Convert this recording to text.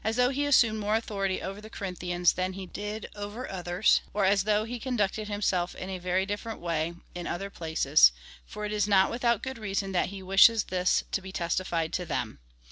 though he assumed more authority over the Corinthians than he did over others, or as thougli he conducted himself in a very different way in other places ; for it is not without good reason that he wishes this to be testified to them.